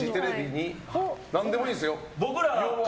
何でもいいですよ。